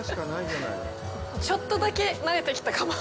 ちょっとだけ、なれてきたかも。